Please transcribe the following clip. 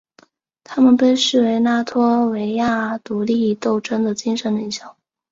他们被视为拉脱维亚独立斗争的精神领袖。